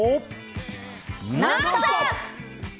「ノンストップ！」。